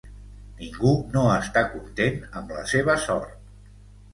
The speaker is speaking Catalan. Ningú no està content amb la seva sort.